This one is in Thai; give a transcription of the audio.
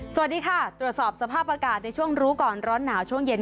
สวัสดีค่ะตรวจสอบสภาพอากาศในช่วงรู้ก่อนร้อนหนาวช่วงเย็น